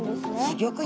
すギョく